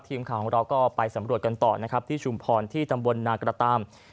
ทีมข่าวของเราก็ไปสำรวจกันต่อนะครับที่ชุมพรที่ตำบลนากระตาม